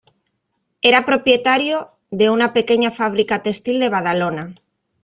Era propietario de una pequeña fábrica textil de Badalona.